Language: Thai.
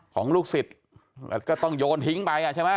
ของลูกศิษย์แล้วก็ต้องโยนทิ้งไปใช่ไหม